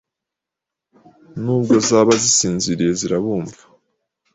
nubwo zaba zisinziriye zirabumva